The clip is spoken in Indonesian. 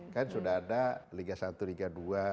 kan sudah ada liga satu liga dua